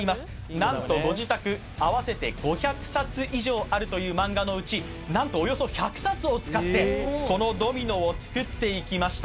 何とご自宅合わせて５００冊以上あるという漫画のうち何とおよそ１００冊を使ってこのドミノを作っていきました